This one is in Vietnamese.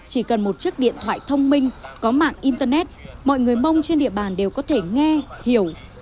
chỉ cần một chiếc điện thoại thông minh có mạng internet mọi người mông trên địa bàn đều có thể nghe hiểu